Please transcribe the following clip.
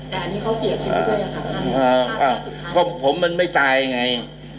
เฮ้อเค้าผมมันไม่ตายไง